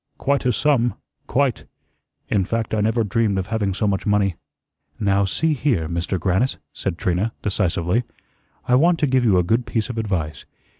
"Quite a sum quite. In fact, I never dreamed of having so much money." "Now, see here, Mister Grannis," said Trina, decisively, "I want to give you a good piece of advice.